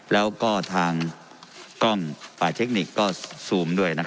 แล้วก็ทางกล้องจุธภาษาเทคนิคก็ซูมด้วยนะครับ